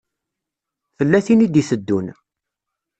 Tella tin i d-iteddun.